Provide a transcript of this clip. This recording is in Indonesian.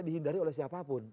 dihindari oleh siapapun